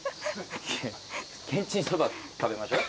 けんちんそば食べましょ。